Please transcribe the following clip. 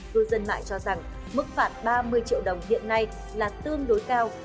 cư dân mạng cho rằng mức phạt ba mươi triệu đồng hiện nay là tương đối cao